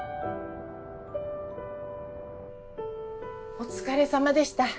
お疲れ様でした。